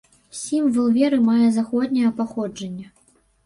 Сімвал веры мае заходняе паходжанне.